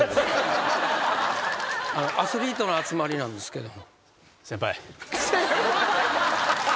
アスリートの集まりなんですけど。